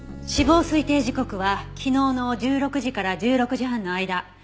死亡推定時刻は昨日の１６時から１６時半の間。